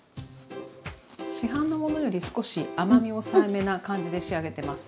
市販のものより少し甘み抑えめな感じで仕上げてます。